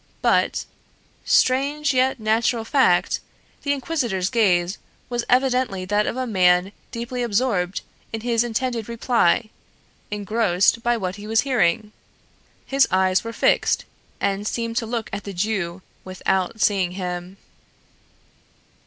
But strange yet natural fact the inquisitor's gaze was evidently that of a man deeply absorbed in his intended reply, engrossed by what he was hearing; his eyes were fixed and seemed to look at the Jew without seeing him.